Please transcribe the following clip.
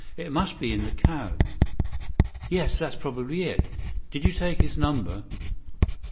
It must be in the cab." "Yes, probably. Did you take his number?"